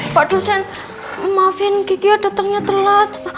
pak dosen maafin kiki datengnya telat